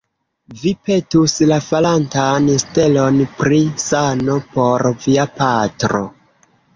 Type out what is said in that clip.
Vi petus la falantan stelon pri sano por via patro.